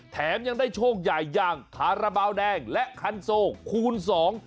แถมยังได้โชคใหญ่อย่างคาราบาลแดงและคันโซคูณสอง